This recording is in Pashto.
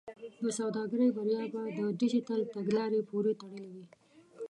د سوداګرۍ بریا به د ډیجیټل تګلارې پورې تړلې وي.